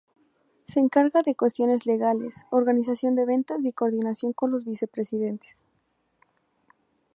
Se encarga de cuestiones legales, organización de ventas y coordinación con los vicepresidentes.